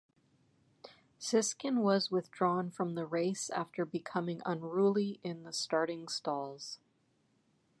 Siskin was withdrawn from the race after becoming unruly in the starting stalls.